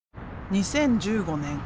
２０１５年